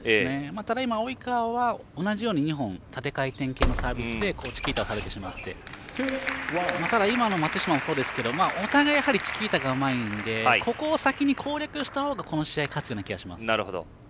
ただ今、及川は同じように２本縦回転系のサービスでチキータをされてしまってただ、今の松島もそうですけどお互いチキータがうまいのでここを先に攻略した方がこの試合、勝つ気がします。